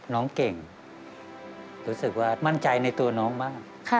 น้องเก่งรู้สึกว่ามั่นใจในตัวน้องบ้าง